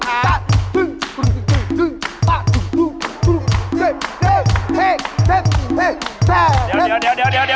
อัพนักการณ์จังหวัด